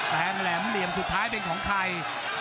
งแหลมเหลี่ยมสุดท้ายเป็นของใคร